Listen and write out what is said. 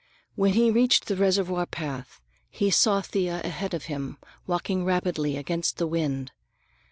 When he reached the reservoir path he saw Thea ahead of him, walking rapidly against the wind.